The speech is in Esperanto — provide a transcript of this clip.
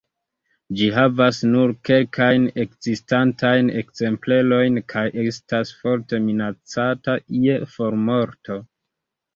Ĝi havas nur kelkajn ekzistantajn ekzemplerojn kaj estas forte minacata je formorto.